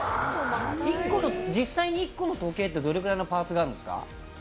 実際に１個の時計ってどれぐらいのパーツがあるんですか？